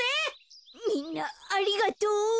みんなありがとう。